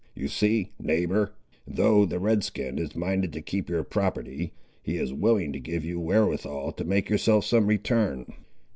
You see, neighbour, though the Red skin is minded to keep your property, he is willing to give you wherewithal to make yourself some return!"